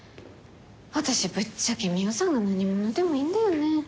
私ぶっちゃけ海音さんが何者でもいいんだよね。